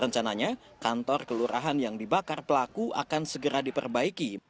rencananya kantor kelurahan yang dibakar pelaku akan segera diperbaiki